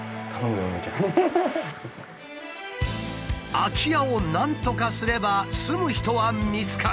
「空き家をなんとかすれば住む人は見つかる」。